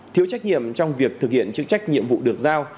thiếu trách nhiệm trong việc thực hiện chức trách nhiệm vụ được giao